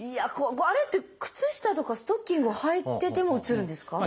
あれって靴下とかストッキングをはいててもうつるんですか？